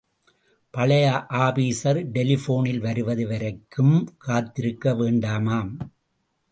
பழைய ஆபீஸர் டெலிபோனில் வருவது வரைக்கும் காத்திருக்க வேண்டாமாம்.